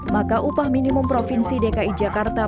maka upah minimum provinsi dki jakarta